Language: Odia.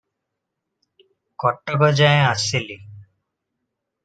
କଟକଯାଏ ଆସିଲି ।